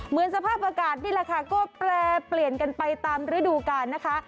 สภาพอากาศนี่แหละค่ะก็แปรเปลี่ยนกันไปตามฤดูกาลนะคะ